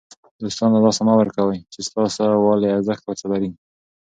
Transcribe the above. دوستان له لاسه مه ورکوئ! چي ستا سته والى ارزښت ور ته لري.